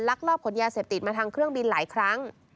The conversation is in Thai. ลอบขนยาเสพติดมาทางเครื่องบินหลายครั้ง